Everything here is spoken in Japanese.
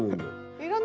いらない？